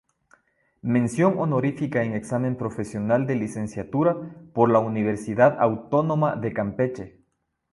Mención honorífica en examen profesional de licenciatura por la Universidad Autónoma de Campeche.